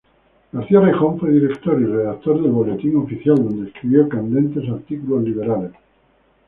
García Rejón fue director y redactor del "Boletín Oficial" donde escribió candentes artículos liberales.